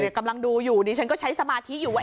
กำลังดูอยู่ดิฉันก็ใช้สมาธิอยู่ว่า